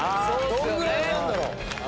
どんぐらいあんだろ？